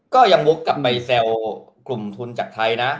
ก็ยังวกกับไมเซลกลุ่มทุนจากไทยนะ